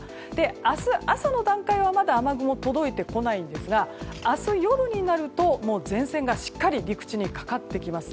明日朝の段階はまだ雨雲届いてこないんですが明日夜になると前線が、しっかり陸地にかかってきます。